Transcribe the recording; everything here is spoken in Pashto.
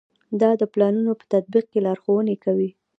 دا د پلانونو په تطبیق کې لارښوونې کوي.